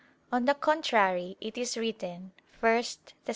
On the contrary, It is written (1 Thess.